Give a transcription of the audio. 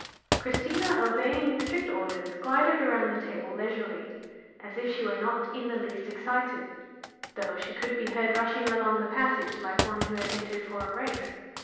Christina, obeying strict orders, glided round the table leisurely, as if she were not in the least excited, though she could be heard rushing along the passage like one who had entered for a race.